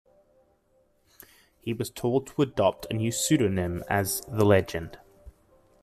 He was told to adopt a new pseudonym, as the Legend!